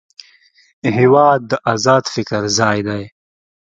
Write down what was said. هېواد د ازاد فکر ځای دی.